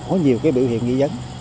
có nhiều cái biểu hiện nghi vấn